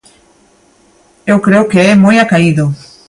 Eu creo que é moi acaído.